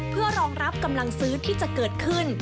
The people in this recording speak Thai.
เพื่อรองรับกำลังซื้อที่จะเกิดขึ้น